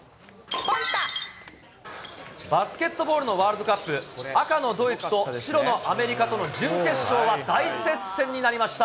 バスケットボールのワールドカップ、赤のドイツと白のアメリカとの準決勝は大接戦になりました。